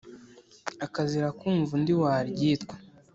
akazira kumva undi waryitwa